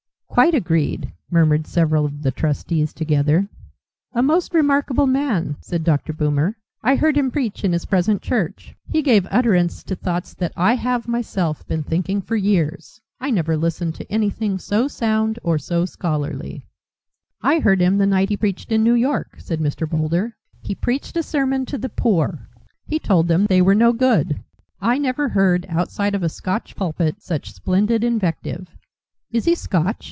"Quite agreed," murmured several trustees together. "A most remarkable man," said Dr. Boomer. "I heard him preach in his present church. He gave utterance to thoughts that I have myself been thinking for years. I never listened to anything so sound or so scholarly." "I heard him the night he preached in New York," said Mr. Boulder. "He preached a sermon to the poor. He told them they were no good. I never heard, outside of a Scotch pulpit, such splendid invective." "Is he Scotch?"